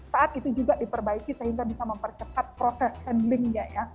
saat itu juga diperbaiki sehingga bisa mempercepat proses handlingnya ya